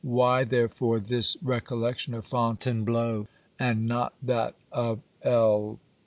Why therefore this recollection of Fontaine bleau and not that of L